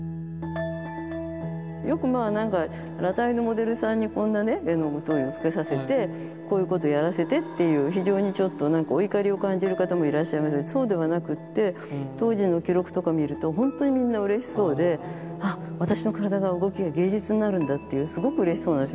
よくまあなんか裸体のモデルさんにこんなね絵の具塗料をつけさせてこういうことをやらせてっていう非常にちょっとなんかお怒りを感じる方もいらっしゃいますけどそうではなくって当時の記録とか見るとほんとにみんなうれしそうであっ私の体が動きが芸術になるんだっていうすごくうれしそうなんです